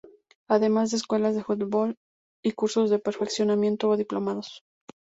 Además de escuelas de fútbol y cursos de perfeccionamiento o diplomados.